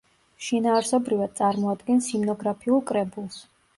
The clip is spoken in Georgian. შინაარსობრივად წარმოადგენს ჰიმნოგრაფიულ კრებულს.